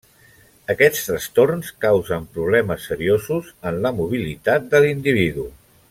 Aquests trastorns causen problemes seriosos en la mobilitat de l'individu.